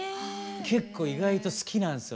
結構意外と好きなんすよ